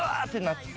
って。